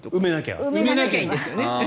埋めなきゃいいんですよね。